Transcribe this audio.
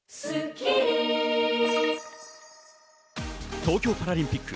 東京パラリンピック